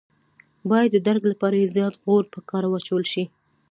باید د درک لپاره یې زیات غور په کار واچول شي.